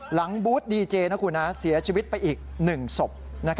บูธดีเจเสียชีวิตไปอีก๑ศพ